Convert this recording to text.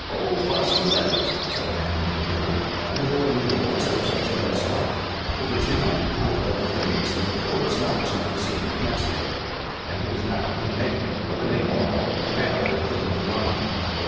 "Old Fuss and Feathers," said a man near Harry, and the boy knew that this was General Scott, the Virginian, who had led the famous and victorious march into the City of Mexico, and who was now in name, but in name only, commander of the Northern army.